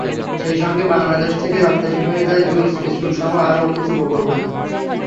সেই সঙ্গে বাংলাদেশ থেকে রপ্তানি হয়ে যায় জুস, বিস্কুটসহ আরও কিছু ভোগ্যপণ্য।